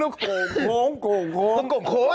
โกงโคม